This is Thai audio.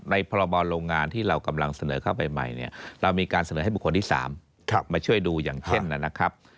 พรบโรงงานที่เรากำลังเสนอเข้าไปใหม่เนี่ยเรามีการเสนอให้บุคคลที่๓มาช่วยดูอย่างเช่นนะครับ